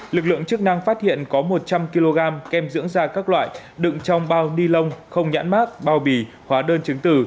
lực lượng chức năng phát hiện có một trăm linh kg kem dưỡng da các loại đựng trong bao ni lông không nhãn mát bao bì hóa đơn chứng từ